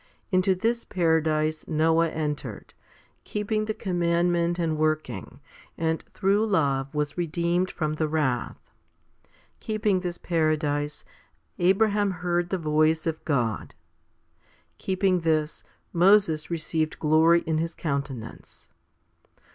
Into this paradise Noe entered, keeping the com mandment and working, and through love was redeemed from the wrath. Keeping this paradise, Abraham heard the voice of God. Keeping this, Moses received glory in his countenance.